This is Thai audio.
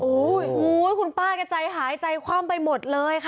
อู๊ยคุณป้าก็ว่ากับใจหายใจความไปหมดเลยค่ะ